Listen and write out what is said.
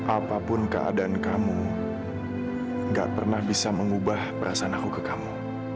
apapun keadaan kamu gak pernah bisa mengubah perasaan aku ke kamu